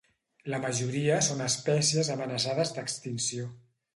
La majoria són espècies amenaçades d'extinció.